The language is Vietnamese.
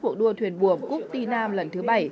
cuộc đua thuyền buồm cúc ti nam lần thứ bảy